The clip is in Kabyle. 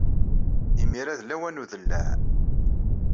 Imir-a d lawan n udellaɛ.